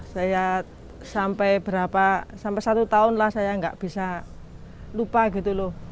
saya sampai satu tahun lah saya gak bisa lupa gitu loh